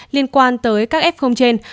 liên quan tới các f trên